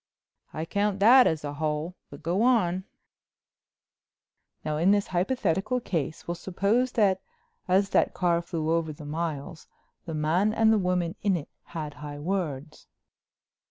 "I count that as a hole, but go on." "Now in this hypothetical case we'll suppose that as that car flew over the miles the man and the woman in it had high words?"